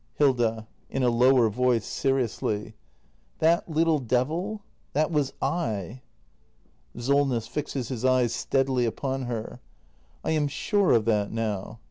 Hilda. [In a lower voice, seriously.] That little devil — that was 7. Solness. [Fixes his eyes steadily upon her.] I am sure of that now.